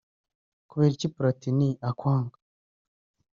Kubera iki Platini akwanga